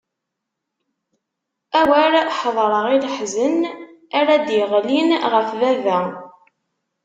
A wer ḥedṛeɣ i leḥzen ara d-iɣlin ɣef baba!